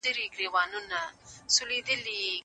هغه د ښځو تعلیم او پرمختګ ته وده ورکړه.